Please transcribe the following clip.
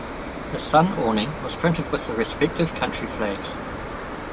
The sun awning was printed with the respective country flags.